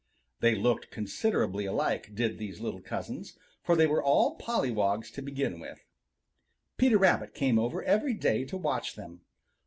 They looked considerably alike, did these little cousins, for they were all pollywogs to begin with. Peter Rabbit came over every day to watch them.